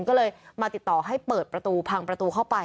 ก็เลยมาติดต่อให้เปิดประตูพังประตูเข้าไป